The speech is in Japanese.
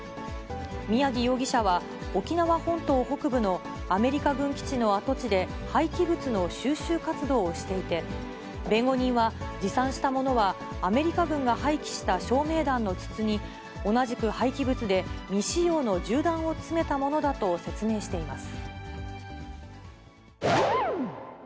宮城容疑者は、沖縄本島北部のアメリカ軍基地の跡地で、廃棄物の収集活動をしていて、弁護人は、持参したものはアメリカ軍が廃棄した照明弾の筒に同じく廃棄物で未使用の銃弾を詰めたものだと説明しています。